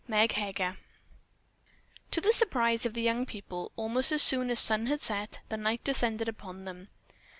MEG HEGER To the surprise of the young people, almost as soon as the sun had set, night descended upon them.